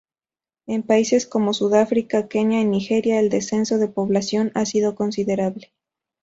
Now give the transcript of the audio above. En países como Sudáfrica, Kenia y Nigeria el descenso de población ha sido considerable.